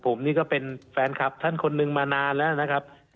ผมนี่ก็เป็นแฟนคลับท่านคนนึงมานานแล้วนะครับ